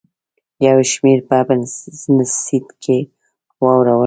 یو شمېر په بزنس سیټ کې واړول.